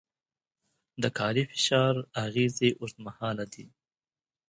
د کاري فشار اغېزې اوږدمهاله دي.